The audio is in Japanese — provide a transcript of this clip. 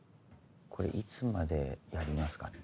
これいつまでやりますかね？